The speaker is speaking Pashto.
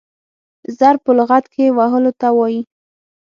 ضرب په لغت کښي وهلو ته وايي.